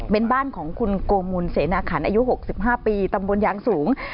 เป็นบ้านของคุณโกมุนเสนาขันอายุ๖๕ปีตำบลยางสูง